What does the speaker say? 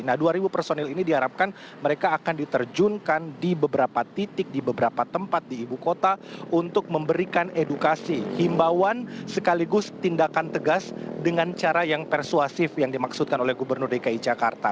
nah dua ribu personil ini diharapkan mereka akan diterjunkan di beberapa titik di beberapa tempat di ibu kota untuk memberikan edukasi himbauan sekaligus tindakan tegas dengan cara yang persuasif yang dimaksudkan oleh gubernur dki jakarta